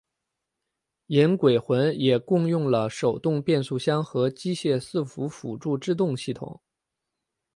银鬼魂也共用了手动变速箱和机械伺服辅助制动系统。